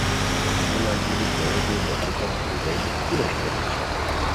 ای ملگیری بیری بی لوڑیکو دودیری ای روشتی غیچھی ہائے